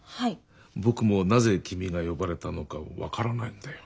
僕もなぜ君が呼ばれたのか分からないんだよ。